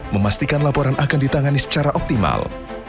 memastikan laporan akan ditangani secara optimal